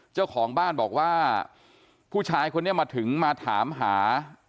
เจ้าของบ้านบอกว่าผู้ชายคนนี้มาถึงมาถามหา